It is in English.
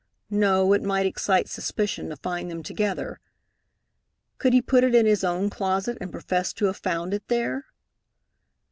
No, it might excite suspicion to find them together. Could he put it in his own closet and profess to have found it there?